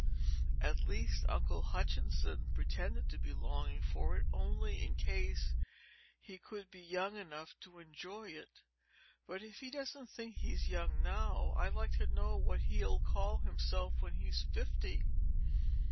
At least, Uncle Hutchinson pretended to be longing for it only in case he could be young enough to enjoy it; but if he doesn't think he's young now, I'd like to know what he'll call himself when he's fifty!"